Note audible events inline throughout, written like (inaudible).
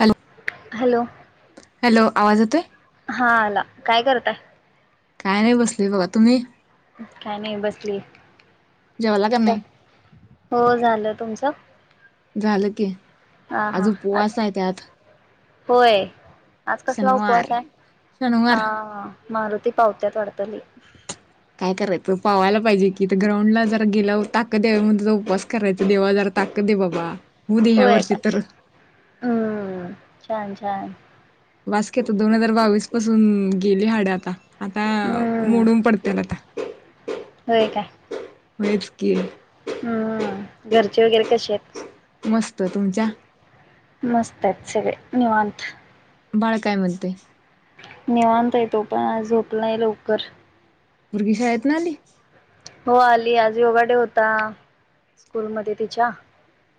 Hello hello hello आवाज येतोय. हा आला काय करताय. काय नाही बसली बघा तुम्ही काय नाही बसली. जेवला का चहा नाही हो झालं तुमचं झालं की हा हा आज आ उपवास आहे त्यात होय आज कसला शनिवार उपवास आहे. हा शनिवार हा मारुती पावत्यात वाढत लय काय करायच पावायला पाहिजे कि तर ग्राउंडला जर गेलं ताकत यायला पाहिजे म्हणून उपवास करायच देवा ज ताकत दे बाबा होऊ दे होय ह्यावर्षी का तर हम्म छान छान बास्की आता दोन हजार बावीस पासून गेली हाड आता आता हम्म मोडून पडतील आता होय काय होय च कि हम्म घरचे वगैरे कसे आहेत. मस्त तुमच्या मस्त आहेत सगळे निवांत बाळकाय म्हणतंय निवांत आहे तो पण आ झोपलाय लवकर पुरगी शाळेत न आली. हो आली आज योगा डे होता स्कूलमध्ये तिच्या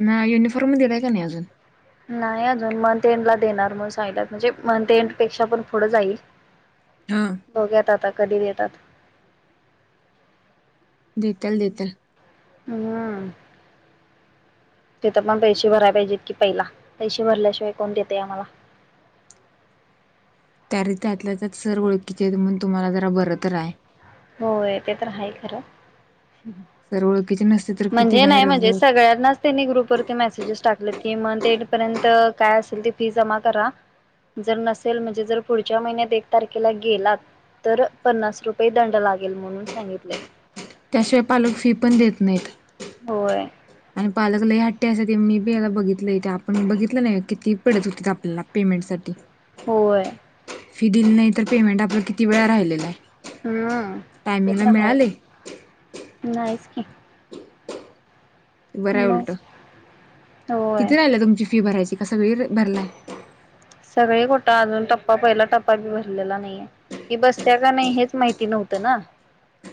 ना युनिफॉर्म दिलाय का नाही अजून नाही अजून मंथ एंड ला देणार म्हणून सांगितल्यात म्हणजे मंथ एंड पेक्षा पण पुढं जाईल हा बघूया आता आता कधी देतात. देत्याल देत्याल. ह तिथं पण पैसे भराय पाहिजेत कि पहिला पैसे भरल्याशिवाय कोण देतय आम्हाला (unintelligible) त्या र त्यातल्या त्यात सर ओळखीचे म्हण तुम्हाला जरा बरं तर आहे होय ते तर आहे खरं सर ओळखीचे नसते तर किती म्हणजे नाही बाहेर म्हणजे असणार. सगळ्यांनाच त्यांनी ग्रुपवररती मेसेजेस टाकलेत. कि मंथ एड पर्यंत काय असेल ते फी जमा करा जर नसेल म्हणजे जर पुढच्या महिन्यात एक तारखेला गेला तर पन्नास रुपये दंड लागेल म्हणून सांगितले. त्याशिवाय पालक फी पण देत नाहीत. होय आणि पालक ल ह हट्टी अस ते मी बी याला बघितलं ते आपण बघितलं नाही किती पिडत होतीत आपल्याला पेमेंट साटी होय फी दिली नाही तर पेमेंट आपलं किती वेळा राहिलेला आहे. हम्म ते टायमिंगला तर मिळाले आहेच नाहीच की बर हाय मग उलट होय किती राहिलं तुमची फी भरायची काय सगळी भरलाय सगळे कोठ अजून टप्पा पहिला टप्पा बी भरलेला नाहीये की बसत्या का नाही हेच माहिती नव्हतं ना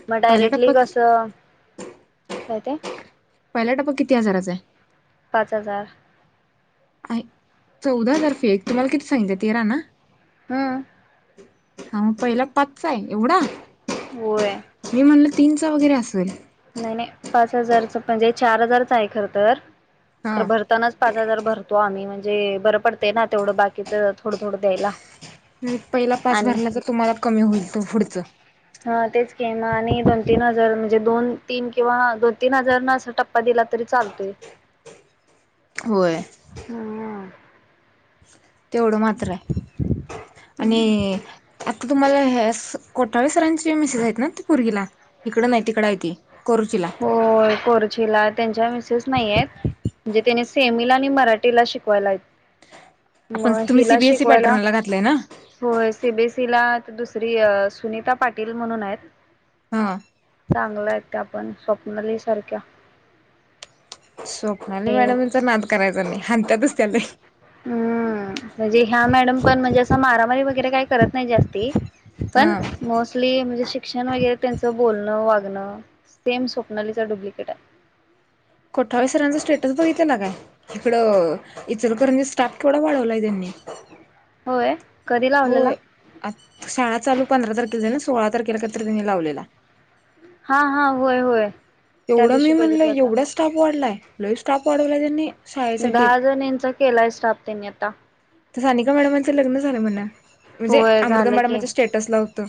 मग पहिला डायरेक्टली टप्पा कस काय ते पहिला टप्पा किती हजाराचा आहे पाच हजार आहे चौदा तारफे एक तुम्हाला किती सांगित तेरा ना हम्म हा मग पहिला पाचच आहे एवढा होय तीनच वगैरे असेल नाही पाच हजार म्हणजे चार हजारच आहे खर तर हा भरतानाच पाच हजार भरत तो आम्ही म्हणजे बरं पडते ना तेवढं बाकीचं थोडं थोडं द्यायला पहिला पाच आणि भरला तर तुम्हाला कमी होईल त पुढच हा तेच गेम आणि दोन तीन हजार म्हणजे दोन तीन किंवा दोन तीन हजार न असा टप्पा दिला तरी चालतोय होय. हम् तेवढं मात्र आहे आणि आता तुम्हाला ह्या कोठाळे सरांचीे मिसेस आहेत ना ते पोरगीला तिकड नाही तिकड य ते हो कोरचीला त्यांच्या मिसेस नाही आहेत म्हणजे त्याने सेमीला आणि मराठीला शिकवायला आहेत आपण मग तुम्ही हिला सीबीएसई शिकवायला पॅटर्नला घातलंय ना हो सीबीएस तीला दुसरी सुनीता पाटील म्हणून आहेत हा चांगलं आहे त्या आपण स्वप्नली सारख्या स्वप्नाली मॅडमचा नाद करायचा नाही हाणत्यातच त्या लई हम्म म्हणजे ह्या मॅडम पण म्हणजे असं मारामारी वगैरे काही करत नाही जास्ती पण हा मोस्टली म्हणजे शिक शिक्ण वगैरे त्यांच बोलणं वागणं सेम स्वप्नालीचा डुप्लिकेट आहे कोठावी सरांचा स्टेटस बघितला काय इकडं इचलकरांचा स्टाफ केवढा वाढवलाय त्यांनी (inaudible) कधी लावलेला होय शाळा चालू पंधरा तारखे सोळा तारखेला कनी लावलेला हा हा होय होय त्या एवढं मी दिवशी म्हणल बघितला होता. एवढा स्टाफ वाढलाय ल स्टाफ वाढवला त्यांनी शाळेसाठी दहा जनींचा केलाय स्टाफ त्यांनी आता सानिका मॅडमांचं लग्न झालं म्हण म्हणजे होय अमृता झालं की मॅडमच्या स्टेटस ला होतं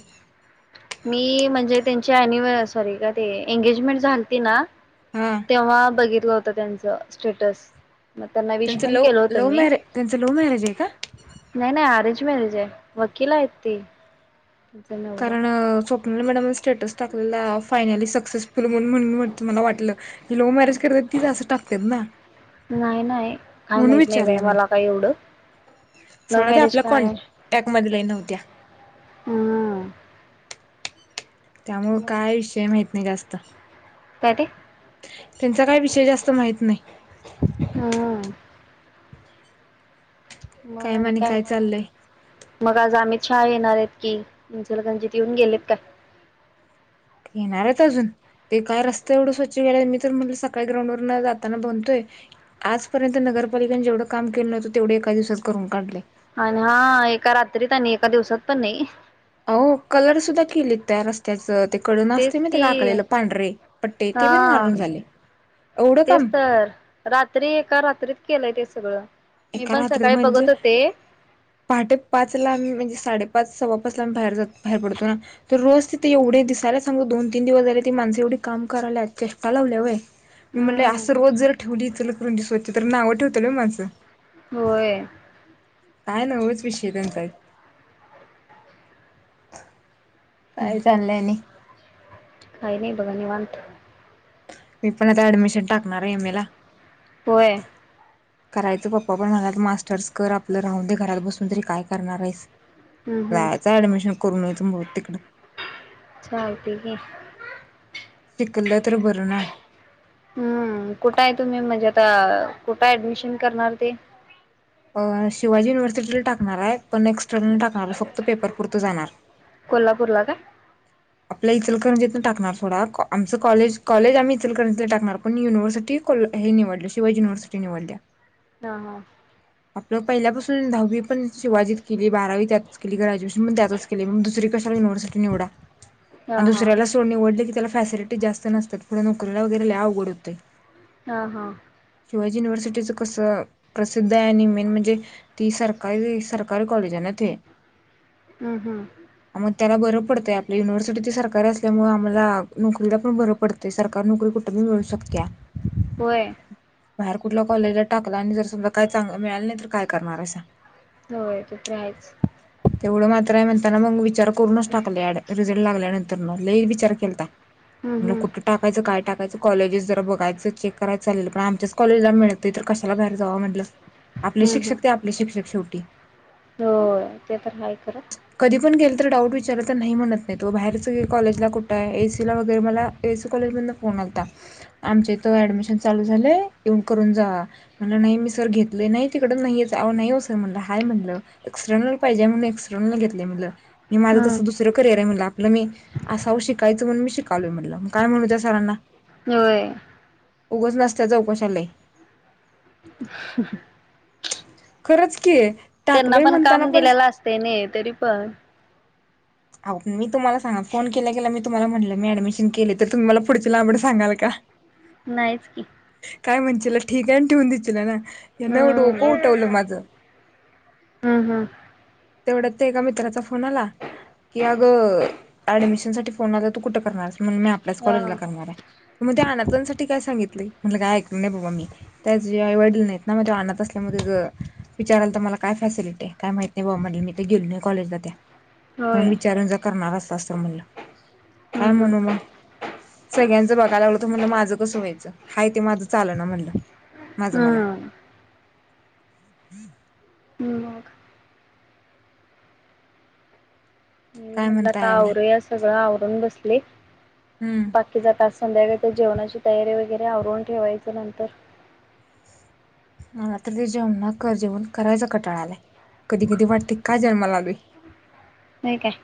मी म्हणजे त्यांची अनिव्ह सॉरी का ते एंगेजमेंट झालती ना हा तेव्हा बघितलं होत त्यांचं स्टेटस मग त्यांना विश त्यांचं पण लव केलं होत लव्ह मी मॅरेज त्यांचं लव्ह मॅरेज आहे का नाही नाही अरेंज अरेंज मॅरिज हाय वकील आहेत ती त्यांचा नवरा कारण स्वपणाली नाही मॅडम स्टेटस टाकलेला फायनली सक्सेसफुल म्हण म्हणून मला वाटलं की लव्ह मॅरेज करत तीच असं टाकतात ना नाही नाही काय म्हणून माहत नाही बा विचारलं मी मला काय एवढं लव्ह सोडा ते मॅरेज आपल्या कॉन्टॅक्ट मध लही नव्हत्या हम त्यामुळ काय विषय माहत नाही जास्त काय ते. त्यांचा काही विषय जास्त माहत नाही. हम्म. मग आणि आणि काय म्हणत. मग आज अमित शहा येणार आहेत की इचलकरंजीत येऊन गेलेत काय? येेणारेत अजून ते काय रस्त एवढं स्वच्छ केलाय मी तर म सकाळी ग्राउंड वर जाताना बघतोय आजपर्यंत नगर नगरपालिकेने जेवढं काम केलं नाही तेवढं एका दिवसातून करून काढलंय. आणि हा एका रात्रीत आणि एका दिवसात पण नाही. हो कलर सुद्धा केलेत त्या रस्त्याच ते कडेने असतय तेच माहित आहे की काय आखलेले पांढरे पट्टे ते पण हा मारून झाले. एवढं तेच काम तर रात्री एका रात्रीत केलंय ते सगळं. मी एका पण रात्रीत सकाळी म्हणजे बघत होते पहाटे पाच लाम्ही म्हणजे साडेपाच सव्वापाचला आम्ही बाहेर जातो बाहेर पडतो ना तर रोज तिथे एवढे दिसत. त्याला सांग दोन तीन दिवस झाले ती माणस एवढी काम कराय चेष्टा लावल्या वय. मी म्हणल हम्म असं रोज जर ठेवली इचलकरंजी स्वच्छ तर नावं ठेवतलंय होय माणसं. होय. काय नवच विषय त्यांचा एक काय चाललंय आणि काही नाही बघा निवांत. मी पण आता ऍडमिशन टाकणार आहे एम ए ला. बे. करायचं पप्पा पण म्हणाल्यात मास्टर्स कर आपलं राहून दे घरात बसून तरी काय करणार आहेस. हम्म हम्म जायचं ऍडमिशन करून य तु बघत तिकडं. चालतंय की. शिकलं तर बर ना. हम्म कुठे आहे तुम्ही म्हणजे आता कुठे ऍडमिशन करणार ते शिवाजी युनिव्हर्सिटीला टाकणार आहे पण एक्स्टर्नल ला टाकणार आहे फक्त पेपर पुरतं जाणार कोल्हापूर ला का? आपला इचलकरंजीतून टाकणार सोडा आमचं कॉज कॉलेज आम्ही इचलकरंजी टाकणार पण युनिव्हर्सिटी. हे निवडले शिवाजी युनिव्हर्सिटी निवडल्या. हा हा. आपलं पहिल्यापासून दहावी पण शिवाजीत केली बारावी त्यातच केली ग्रॅज्युएशन पण त्यातच केले मग दुसरी कशा युनिव्हर्सिटी निवडा हा आणि हा दुसऱ्याला सोड निवडलं की त्याला फॅसिलिटी जास्त नसतात पुढे नोकरीला वगैरे लय अवघड होतेय. हा हा. शिवाजी युनिव्हर्सिटीचं कसं प्रसिद्ध दयान मेन म्हणजे ते सरकारी सरकारी कॉलेज आहे ना ते. हम्म हम्म मग त्याला बर. पडतय आपल्या युनिव्हर्सिटी सरकारी असल्यामुळे आम्हाला नोकरीला पण बर पडतेय सरकारी नोकरी कुठं भी मिळू शकत्या. काय? होय. बाहेर कुठल्या कॉलेजला टाकला आणि जर समजा काय चांगल मिळाल नाही तर काय करणार ऐसा होय ते तर आहेच. तेवढं मात्र आहे म्हणताना मग विचार करूनच टाकले रिझल्ट लागल्यानंतर लई विचार केलता. हम्म म्हणलं हम्म कुठं टाकायचं काय टाकायचं. कॉलेजेस जर बघायंच चेक करायच चाललेलं पण आमच्याच कॉलेजला मिळते तर कशाला मग बाहेर जावं म्हटलं. आपले शिक्षक ते आपले शिक्षक शेवटी हो ते तर हाय खरं. कधी पण गेलं तर डाऊट विचारलं तर नाही म्हणत नाही तो बाहेरच कॉलेजला कुठं आहे एसीला वगैरे मला ए ए सी कॉलेजमधन फोन. आलता आमच्या इथं ऍडमिशन चालू झालंय येऊन करून जावा म्हणलं नाही मी सर घेतलय नाही तिकड नाही नाही हो सर म्हटलं हाय म्हटलं एक्सटर्नल पाहिजे म्हणून एक्सटर्नल घेतलंय म्हटलं मी माझ तसं हम्म दुसरं करेर आहेला म्हणलं मी असाव शिकायचंय म्हणून शिकालोय काय म्हणू त्या सराला होय उगस नसल्या चौकशालाय खरंच की त्यांना टाकलोय पण म्हणताना काम दिलेला असते नाही तरी पण अ मी तुम्हाला सांग फोन केला गेला मी तुम्हाला म्हटलं मी ऍडमिशन केली तर तुम् मला पुढची लांबड सांगाल का नाहीच की तिला ठीक आहे आणि ठेवून दि ना याना डोकं हम्म. उठवलं माझं हम्म हम्म तेवढ्यात ते एका मित्राचा फोन आला कि अग ऍडमिशन साठी फोन आला तू कुठं करणार मी आपल्याच कॉलेज हम्म करणार आहे मग ांसाठी काय सांगितलं म्हटलं काय ऐक नाही बाबा मी त्या आई वडील नाहीत ना म अ अनाथ आश्रम असल्या विचारायला तर मला काय फॅसिलिटी आहे काय माहित नाही बा म्हट मी तर गेलो नाही कॉजला त्या होय म्हन विचारून ज करणार अस असं म्हणलं काय हम्म हम्म म्हणू मग सगळ्यांचं बघायला लागलत म्हणलं माझं कसं व्हायचं हा ते माझं चाल ना म्हणलं माझं मला हम्म. हम् हम् मग काय म्हणलं आता म्हणताय आणि आवर या सगळं आवरून बसले हम्म बाकी जात संध्याकाळी जेवणाची तयारी वगैरे आवरून ठेवायचं नंतर मलाात्र ते जेवना कर जेवन करायचा कटाळ आलाय कधी कधी वाटते का जन्माला आलोय होय काय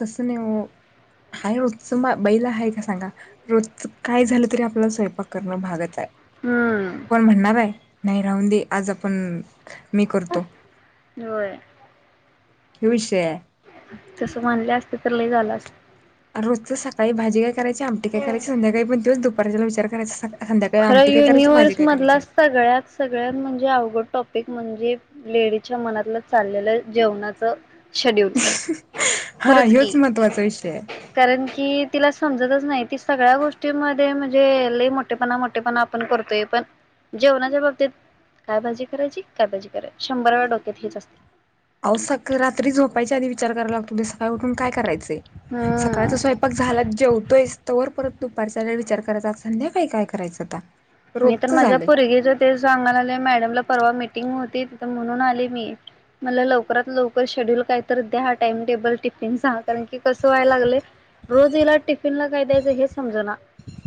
तसेनेवे ओ हाय रोजच बैला आहे का सांगा रोज काय झालं तरी आपल्याला स्वयंपाक करणं भागत आहे हम्म कोण म्हणणार आहे नाही राहून दे आज आपण मी करतो होय हो विषय आहे तसं म्हनले असते तर ल झालाच रोजच सकाळी भाजी काय करायची आमटी काय कयची संध्याळीण तेच दुपारच्याला विचार करायचा सका खरं युनिव्हर्स मधला सगळ्यात सगळ्यात म्हण लय अवघड टॉपिक म्हणजे लेडीजच्या मनातलं चाललेलं जेवणाच शेड्युल हा खरच ह्योच की महत्त्वाचा विषय आहे कारण की तिला समजतच नाही ती सगळ्या गोष्टी म म्हणजे लई मोठेपणा पण आपण करतोय पण जेवणाच्या बाबतीत काय भाजी करायची काय भाजी करायची शंभराव डोक्यात हेच असतील अहो सक का उठून काय करायच हम्म सकाळचा स्वयंपाक झाला जेवत वर परत दुपारचाला विचार करायचा संध्याकाळी काय करायचं आता मी तर रोजच माझ्या झालंय. पोरगीच ते सांगाले मॅडमला परवा मीटिंग हो म्हणून आले मी मला लवात लवकर शेड्युल का द्या टाइमटेबल टिफिन कारण की कस व्हाय लागले रोज हला टिफिन ला काय द्यायचं हे समज ना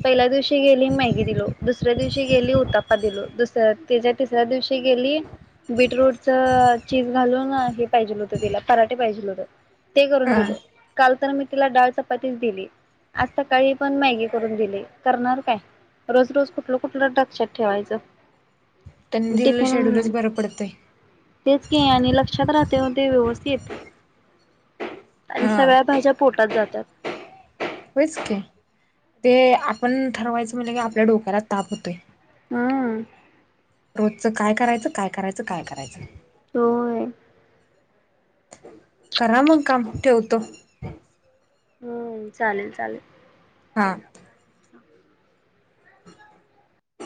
पहिल्या दिवशी गेली मॅगी दिलो दुसऱ्या दिवशी गेली उतापा दिलो दुसऱ्या तच्या तिसऱ्या दिवशी गेली बीटरूटच चीज घालून हे पाहिजे होतं तिला पराठे पाहिजे होत ते करून हा दिलो काल तर मी तिला डाळ चपातीच दिली आज सकाळी पण मॅगी करून दिली करणार काय रोज रोज कुठलं कुठलं लक्षात ठेवायचं त्यांनी दिलेलं शेड्यूलच टिफिन बरं पडतंय. तेच कि आणि लक्षात राह मध्ये व्यवस्थित आणि हा सगळ्या भाज्या पोटात जातात होयच की ते आपण ठरवायचं म्हणल की आपल्या डोक्याला ताप होतोय. हम्म रोजच काय करायचं काय करायचं काय करायचं होय करा मग काम ठेवतो. हम्म चालेल चालेल. हा